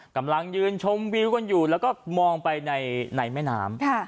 กำลังยืนชมวิวกันอยู่แล้วก็มองไปในแม่น้ำ